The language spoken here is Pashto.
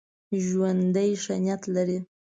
ژوندي ښه نیت لري